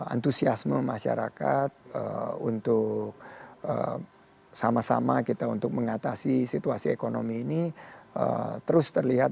antusiasme masyarakat untuk sama sama kita untuk mengatasi situasi ekonomi ini terus terlihat